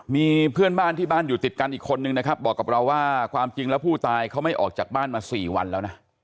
มีเพื่อนบ้านที่บ้านอยู่ติดกันอีกคนนึงนะครับบอกกับเราว่าความจริงแล้วผู้ตายเขาไม่ออกจากบ้านมา๔วันแล้วนะ